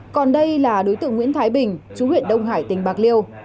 còn đây là đối tượng nguyễn thái bình chú huyện đông hải tỉnh bạc liêu